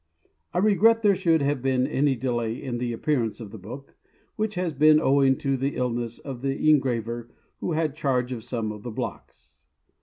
I regret there should have been any delay in the appearance of the book, which has been owing to the illness of the engraver who had charge of some of the blocks.